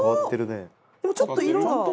でもちょっと色が。